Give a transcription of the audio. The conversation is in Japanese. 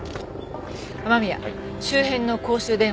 雨宮周辺の公衆電話を調べて。